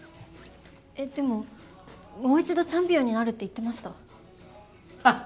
えっでももう一度チャンピオンになるって言ってました。